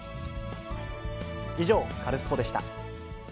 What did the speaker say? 以上、カルスポっ！でした。